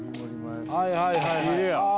はいはいはい。